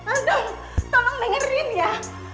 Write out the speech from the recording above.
aduh tolong dengerin ya